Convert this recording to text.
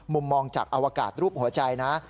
มุมมองจากอวกาศรูปหัวใจนะ